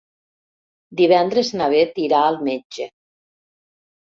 Divendres na Bet irà al metge.